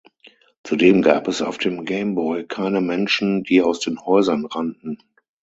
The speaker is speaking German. Zudem gab es auf dem Game Boy keine Menschen, die aus den Häusern rannten.